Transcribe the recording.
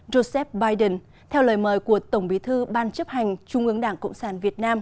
joseph biden theo lời mời của tổng bí thư ban chấp hành trung ứng đảng cộng sản việt nam